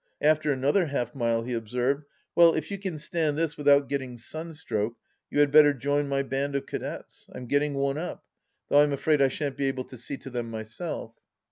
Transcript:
After another half mile he observed : "Well, if you can stand this without getting sunstroke you had better join my band of Cadets. I'm getting one up — ^though I'm afraid I shan't be able to see to them my self."